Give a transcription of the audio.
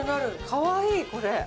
かわいいこれ。